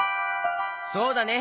そうだね！